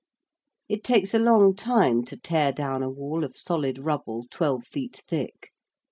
It takes a long time to tear down a wall of solid rubble twelve feet thick.